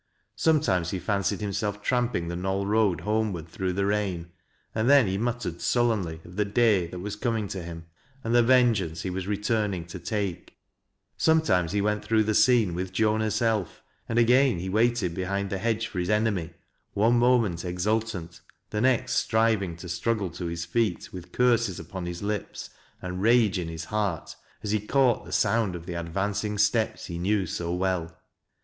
Sometimes he fancied himself tramping the Knoll Road homeward through the rain, and then he muttered sullenly of the " day " that was coming to him, and the V9ngeane« 206 THAT LABS 0' LOWBIB'S. he was returning to take ; sometimes he went througb tlit seone i/ith Joan herself, and again, he waited behind tlie licdge for his enemy, one moment exultant, the next striv iiig to struggle to his feet with curses upon his lips and tage in his heart, as he caught the sound of the advancing itepfc he knew so well.